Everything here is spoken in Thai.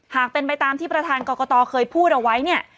หากเป็นไปตามที่ประธานกรกตเคยพูดเอาไว้เนี่ย